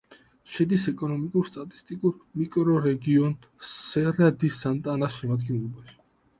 შედის ეკონომიკურ-სტატისტიკურ მიკრორეგიონ სერა-დი-სანტანას შემადგენლობაში.